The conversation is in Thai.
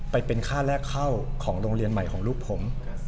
ไปเป็นค่าแรกเข้าของโรงเรียนใหม่ของลูกผม